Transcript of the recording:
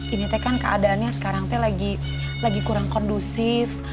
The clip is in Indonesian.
ini teh kan keadaannya sekarang teh lagi kurang kondusif